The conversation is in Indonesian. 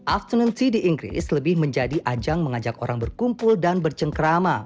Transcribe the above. afternonty di inggris lebih menjadi ajang mengajak orang berkumpul dan bercengkrama